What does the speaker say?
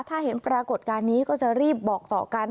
ถ้าเห็นปรากฏการณ์นี้ก็จะรีบบอกต่อกัน